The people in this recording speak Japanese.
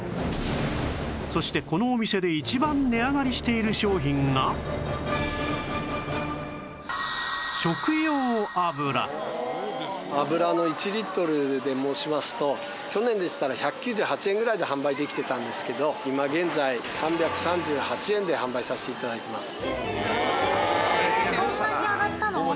そしてこのお店で油の１リットルで申しますと去年でしたら１９８円ぐらいで販売できてたんですけど今現在３３８円で販売させて頂いてます。